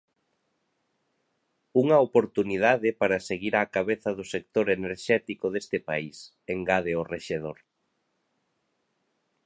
Unha oportunidade para seguir á cabeza do sector enerxético deste país, engade o rexedor.